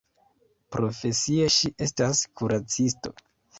Profesie ŝi estas kuracisto.